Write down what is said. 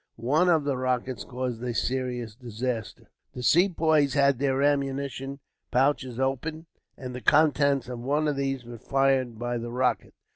One of the rockets caused a serious disaster. The Sepoys had their ammunition pouches open, and the contents of one of these was fired by the rocket.